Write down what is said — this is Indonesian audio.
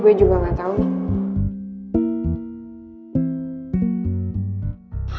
gue juga gak tahu nih